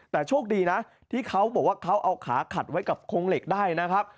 แต่โชคดีนะที่เขาบอกว่าเขาเอาขาขัดไว้กับโครงเหล็กได้นะครับ